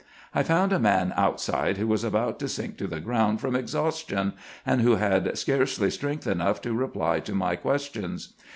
I found a man outside who was about to sink to the ground from exhaustion, and who had scarcely strength enough to reply to my questions.